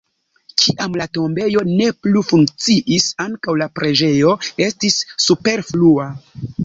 Kiam la tombejo ne plu funkciis, ankaŭ la preĝejo estis superflua.